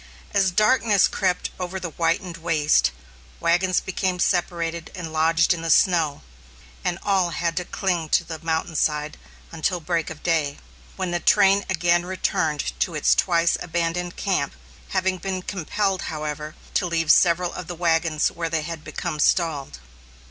As darkness crept over the whitened waste, wagons became separated and lodged in the snow; and all had to cling to the mountain side until break of day, when the train again returned to its twice abandoned camp, having been compelled, however, to leave several of the wagons where they had become stalled.